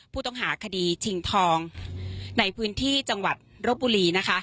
ผู้ต้องหาคดีชิงทองในพื้นที่จังหวัดรบบุรีนะคะ